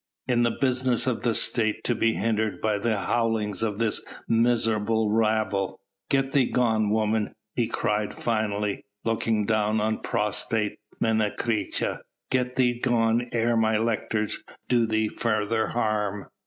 Is the business of the State to be hindered by the howlings of this miserable rabble? Get thee gone, woman," he cried finally, looking down on prostrate Menecreta, "get thee gone ere my lictors do thee further harm."